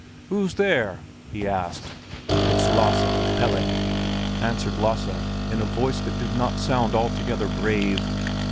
"Who's there?" he asked. "It's Lasse and Pelle," answered Lasse in a voice that did not sound altogether brave.